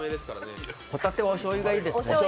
ホタテはおしょうゆがいいですね。